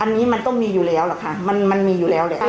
อันนี้มันก็มีอยู่แล้วล่ะค่ะมันมีอยู่แล้วแหละ